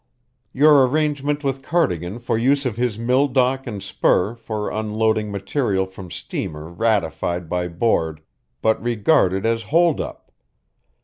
Your arrangement with Cardigan for use of his mill dock and spur for unloading material from steamer ratified by board but regarded as hold up.